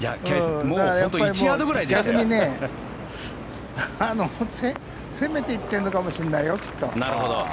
逆にね、攻めていってるのかもしれないよ、きっと。